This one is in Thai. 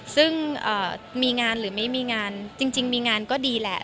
ซึ่งมีงานหรือไม่มีงานจริงมีงานก็ดีแหละ